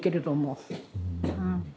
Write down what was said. うん。